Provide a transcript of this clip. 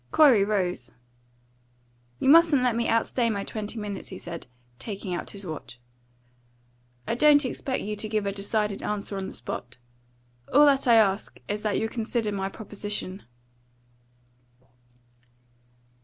Corey rose. "You mustn't let me outstay my twenty minutes," he said, taking out his watch. "I don't expect you to give a decided answer on the spot. All that I ask is that you'll consider my proposition."